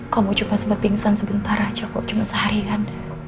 kamu cuma sempat pingsan sebentar aja kok cuma sehari kan